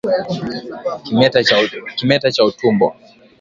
Kimeta cha utumbo